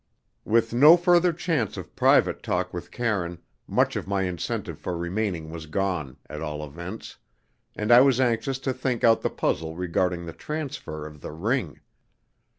With no further chance of private talk with Karine much of my incentive for remaining was gone, at all events, and I was anxious to think out the puzzle regarding the transfer of the ring.